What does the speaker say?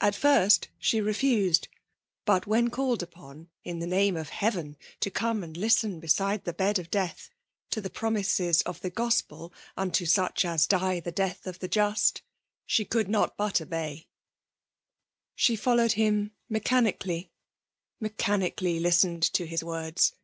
At first she refused ; but when called upon, in the name of Heftven, to come and listen beside the bed of death to the promises of the gospel unto such as die the dteth of the just, she could not but obey, fflie fdlow^ him meehanicaUy^t^mc 184 FBMALK IK>HINAT10ir« clianicaQy listened to his words.